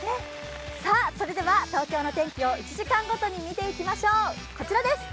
それでは東京の天気を１時間ごとに見ていきましょう。